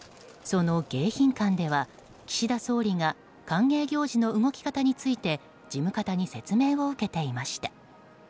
その迎賓館では岸田総理が歓迎行事の動き方について事務方に説明を受けていました。